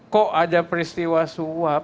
kok ada peristiwa yang berlaku di dalam hal ini